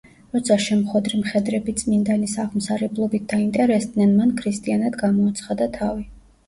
როცა შემხვედრი მხედრები წმინდანის აღმსარებლობით დაინტერესდნენ, მან ქრისტიანად გამოაცხადა თავი.